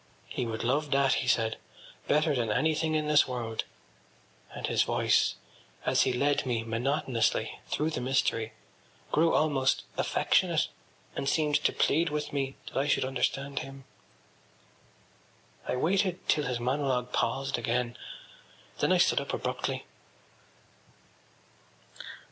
He would love that, he said, better than anything in this world; and his voice, as he led me monotonously through the mystery, grew almost affectionate and seemed to plead with me that I should understand him. I waited till his monologue paused again. Then I stood up abruptly.